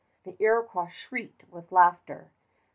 The Iroquois shrieked with laughter.